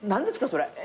それ。